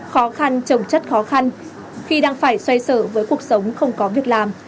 khó khăn trồng chất khó khăn khi đang phải xoay sở với cuộc sống không có việc làm